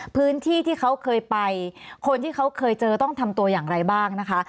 พื้นที่ที่เขาเคยไปคนที่เขาเคยเจอต้องทำตัวอย่างไรบ้างนะคะ